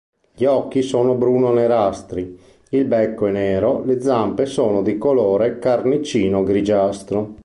Gli occhi sono bruno-nerastri, il becco è nero, le zampe sono di colore carnicino-grigiastro.